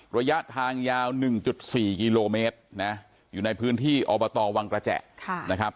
ระยะทางยาว๑๔กิโลเมตรนะอยู่ในพื้นที่อบตวังกระแจนะครับ